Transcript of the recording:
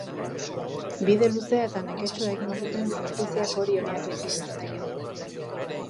Bide luzea eta neketsua egin zuten justiziak hori onartu zien arte.